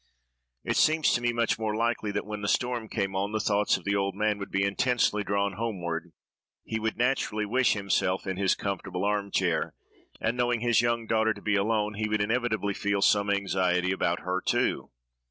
It seems to me much more likely that, when the storm came on, the thoughts of the old man would be intensely drawn homeward: he would naturally wish himself in his comfortable arm chair, and, knowing his young daughter to be alone, he would inevitably feel some anxiety about her too.